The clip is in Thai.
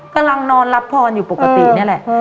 กำลังนอนรับพรอยู่ปกตินี่แหละ